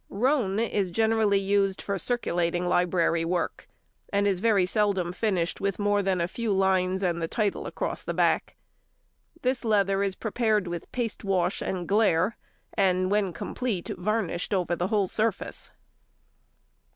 Roan is generally used for circulating library work, and is very seldom finished with more than a few lines and the title across the back. This leather is prepared with paste wash and glaire, and, when complete, varnished over the whole surface.